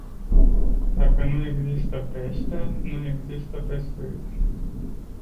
Dacă nu există pește, nu există pescuit.